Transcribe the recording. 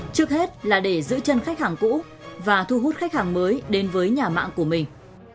trước hết là để giữ chân khách hàng cũ và thu hút khách hàng mới đến với nhà mạng của mình